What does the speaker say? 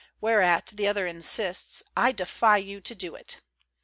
whereat the other insists, "I defy you to do it."